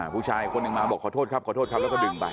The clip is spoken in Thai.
ผู้ชายคนหนึ่งมาบอกขอโทษครับขอโทษครับแล้วก็ดึงไป